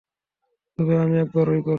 তবে, আমি একবারই করব।